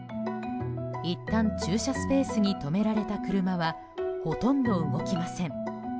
いったん駐車スペースに止められた車はほとんど動きません。